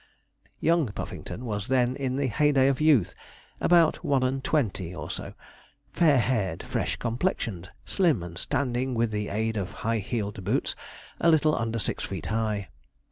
Young Puffington was then in the heyday of youth, about one and twenty or so, fair haired, fresh complexioned, slim, and standing, with the aid of high heeled boots, little under six feet high.